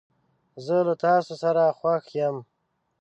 زه له تاسو سره خوښ یم.